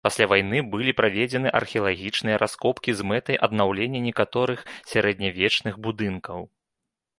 Пасля вайны былі праведзены археалагічныя раскопкі з мэтай аднаўлення некаторых сярэднявечных будынкаў.